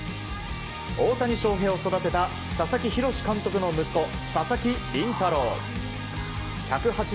大谷翔平を育てた佐々木洋監督の息子佐々木麟太郎。